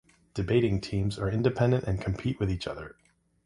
Debating teams are independent and compete with each other.